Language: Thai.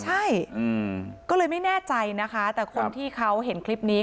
ใช่ก็เลยไม่แน่ใจนะคะแต่คนที่เขาเห็นคลิปนี้